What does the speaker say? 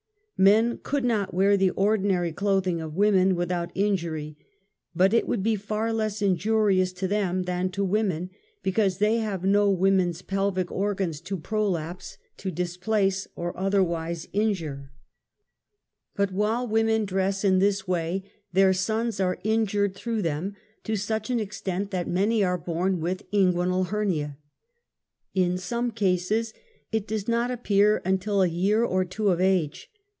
Men could not wear ■' the ordinary clothing of women without injury, but it would be far less injurious to them than to women, because they have not women's pelvic organs to pro lapse, to displace or otherwise iiijiire. nERNIA. 135 But while women dress in this way, their sons are ^ injured through them, to such an extent that many are born with inguinal hernia. In some cases it does not appear until a year or two of age.